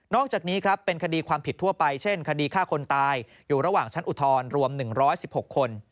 จากนี้ครับเป็นคดีความผิดทั่วไปเช่นคดีฆ่าคนตายอยู่ระหว่างชั้นอุทธรณ์รวม๑๑๖คน